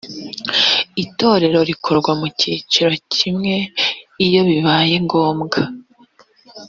itora rikorwa mu cyiciro kimwe iyo bibaye ngombwa